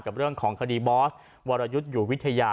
กับเรื่องของคดีบอสวรยุทธ์อยู่วิทยา